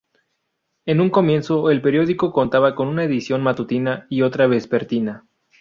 En un comienzo, el periódico contaba con una edición matutina y otra vespertina.